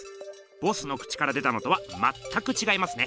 ボスの口から出たのとはまったくちがいますね。